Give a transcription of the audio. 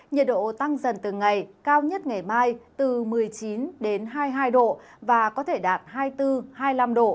nhiệt độ tăng dần từng ngày cao nhất ngày mai từ một mươi chín đến hai mươi hai độ và có thể đạt hai mươi bốn hai mươi năm độ